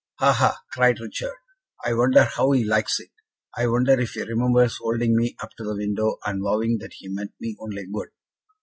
"Ha! ha!" cried Richard. "I wonder how he likes it. I wonder if he remembers holding me up to the window, and vowing that he meant me only good!"